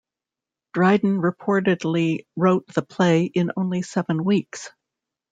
Dryden reportedly wrote the play in only seven weeks.